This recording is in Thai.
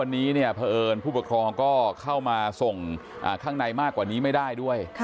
มีผู้ปกครองเข้ามาส่งข้างในมากกว่านี้ไม่ได้ด้วย